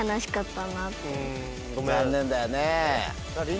残念だよね。